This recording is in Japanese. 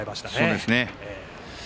そうですね。